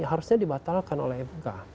harusnya dibatalkan oleh fk